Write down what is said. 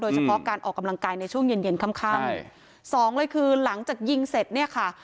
โดยเฉพาะการออกกำลังกายในช่วงเย็นค่ำ๒เลยคือหลังจากยิงเสร็จเนี่ยค่ะ